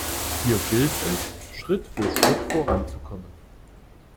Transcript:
Hier gilt es, Schritt für Schritt voranzukommen.